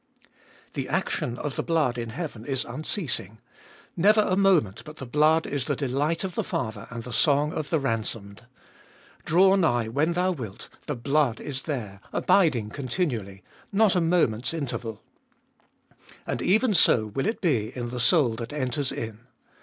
The action of the blood in heaven is unceasing — never a moment but the blood is the delight of the Father and the song of the ransomed. Draw nigh when thou wilt, the blood is there, abiding continually; not a moment's interval. And even so will it be in the soul that enters in.